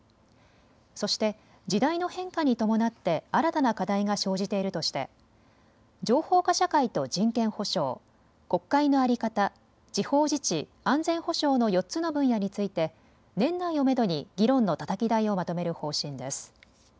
そして時代の変化に伴って新たな課題が生じているとして情報化社会と人権保障、国会のあり方、地方自治、安全保障の４つの分野について年内をめどに議論のたたき台をまとめる方針です。